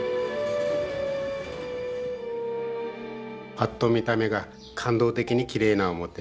パッと見た目が感動的にきれいな表